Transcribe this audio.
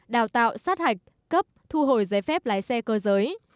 đào tạo sát hạch cấp thu hồi giấy phép lái xe cơ giới